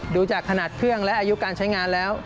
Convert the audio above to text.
ดูจากขนาดเครื่องและอายุการใช้งานแล้ว